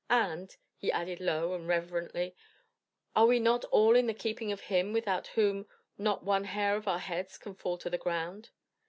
And," he added low and reverently, "are we not all in the keeping of Him without whom not one hair of our heads can fall to the ground?"